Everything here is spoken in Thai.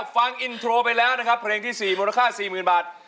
ฟังอินโทรไปแล้วนะครับเพลงที่๔มูลค่า๔๐๐๐บาท